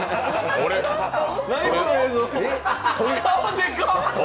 顔でかっ！